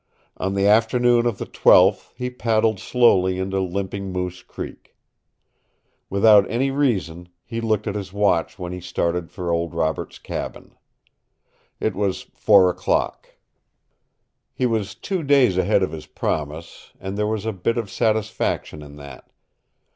On the afternoon of the twelfth he paddled slowly into Limping Moose Creek. Without any reason he looked at his watch when he started for old Robert's cabin. It was four o'clock. He was two days ahead of his promise, and there was a bit of satisfaction in that.